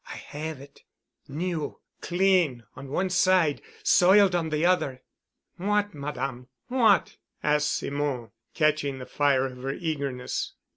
"I have it—new—clean on one side, soiled on the other——" "What, Madame—what?" asked Simon, catching the fire of her eagerness.